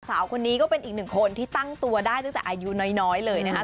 สาวคนนี้ก็เป็นอีกหนึ่งคนที่ตั้งตัวได้ตั้งแต่อายุน้อยเลยนะคะ